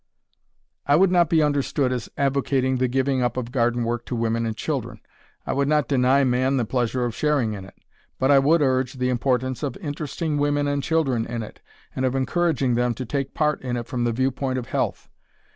I would not be understood as advocating the giving up of garden work to women and children. I would not deny man the pleasure of sharing in it. But I would urge the importance of interesting women and children in it, and of encouraging them to take part in it from the viewpoint of health.